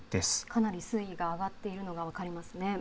かなり水位が上がっているのが分かりますね。